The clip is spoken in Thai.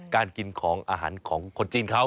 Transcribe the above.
การกินของอาหารของคนจีนเขา